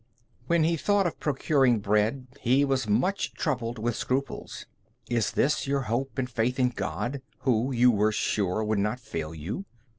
When he thought of procuring bread, he was much troubled with scruples. "Is this your hope and faith in God, who, you were sure, would not fail you?"